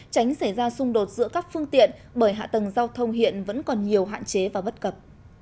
tránh xảy ra xung đột giữa các phương tiện bởi hạ tầng giao thông hiện vẫn còn nhiều hạn chế và bất cập